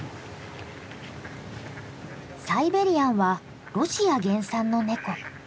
サイベリアンはロシア原産のネコ。